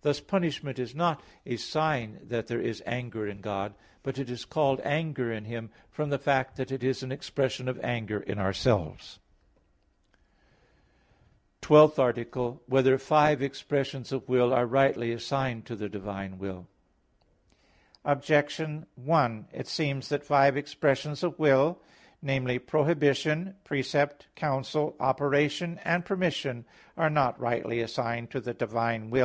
Thus punishment is not a sign that there is anger in God; but it is called anger in Him, from the fact that it is an expression of anger in ourselves. _______________________ TWELFTH ARTICLE [I, Q. 19, Art. 12] Whether Five Expressions of Will Are Rightly Assigned to the Divine Will? Objection 1: It seems that five expressions of will namely, prohibition, precept, counsel, operation, and permission are not rightly assigned to the divine will.